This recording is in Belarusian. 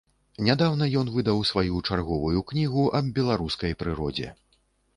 Нядаўна ён выдаў сваю чарговую кнігу аб беларускай прыродзе.